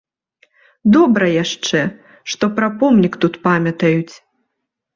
Добра яшчэ, што пра помнік тут памятаюць.